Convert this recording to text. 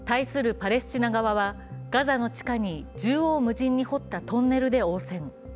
パレスチナ側は、ガザの地下に縦横無尽に掘ったトンネルで応戦。